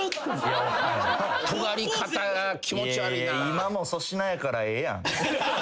今も粗品やからええやん。